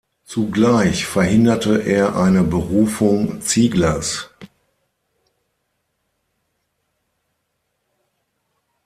Zugleich verhinderte er eine Berufung Zieglers.